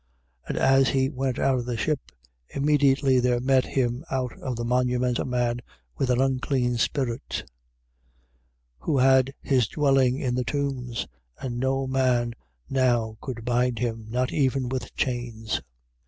5:2. And as he went out of the ship, immediately there met him out of the monuments a man with an unclean spirit, 5:3. Who had his dwelling in the tombs, and no man now could bind him, not even with chains.